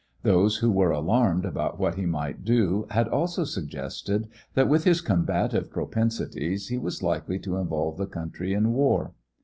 Those who were alarmed about what he might do had also suggested that with his combative propensities he was likely to involve the country in war.